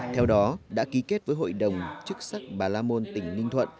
theo đó đã ký kết với hội đồng chức sắc bà la môn tỉnh ninh thuận